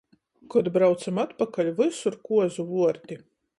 Kod braucam atpakaļ, vysur kuozu vuorti.